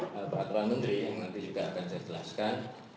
peraturan menteri yang nanti juga akan saya jelaskan